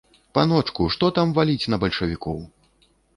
Паночку, што там валіць на бальшавікоў!